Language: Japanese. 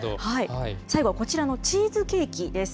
最後、こちらのチーズケーキです。